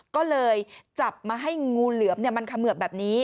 ก็เลยจับมาให้งูเหลือมมันเขมือบแบบนี้